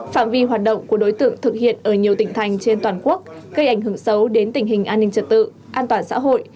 phạm vi hoạt động của đối tượng thực hiện ở nhiều tỉnh thành trên toàn quốc gây ảnh hưởng xấu đến tình hình an ninh trật tự an toàn xã hội